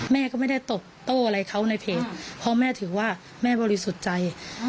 แม่ก็ไม่ได้ตอบโต้อะไรเขาในเพจเพราะแม่ถือว่าแม่บริสุทธิ์ใจ